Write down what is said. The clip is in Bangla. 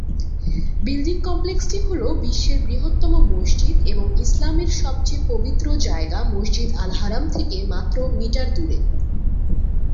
বিল্ডিং কমপ্লেক্সটি হল বিশ্বের বৃহত্তম মসজিদ এবং ইসলামের সবচেয়ে পবিত্র জায়গা মসজিদ আল হারাম থেকে মাত্র মিটার দূরে।